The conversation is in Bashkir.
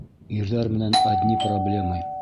Ирҙәр менән одни проблемы!